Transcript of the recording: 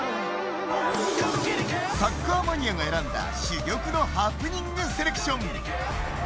サッカーマニアが選んだ珠玉のハプニングセレクション。